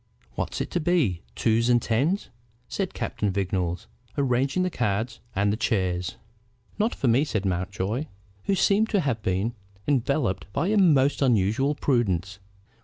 "What's it to be: twos and tens?" said Captain Vignolles, arranging the cards and the chairs. "Not for me," said Mountjoy, who seemed to have been enveloped by a most unusual prudence.